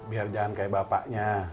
biar jangan kayak bapaknya